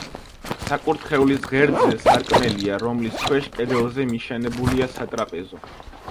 საკურთხევლის ღერძზე სარკმელია, რომლის ქვეშ კედელზე მიშენებულია სატრაპეზო.